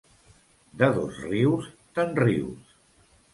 De Dosrius, te'n rius.